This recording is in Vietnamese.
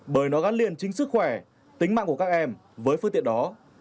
bởi nó gắn liền chính sức khỏe tính mạng của các em với phương tiện đó